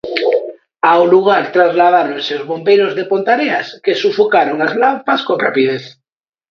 Ao lugar trasladáronse os bombeiros de Ponteareas, que sufocaron as lapas con rapidez.